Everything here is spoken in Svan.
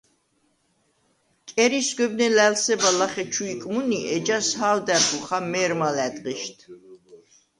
კერი სგვებნე ლა̈ლსება ლახე ჩუ იკმუნი, ეჯას ჰა̄ვდა̈რ ხოხა მე̄რმა ლა̈დღიშდ.